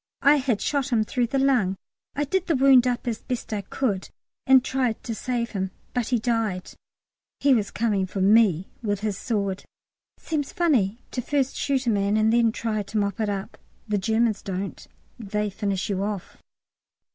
"I had shot him through the lung. I did the wound up as best I could and tried to save him, but he died. He was coming for me with his sword." Seems funny to first shoot a man and then try to mop it up. The Germans don't; they finish you off.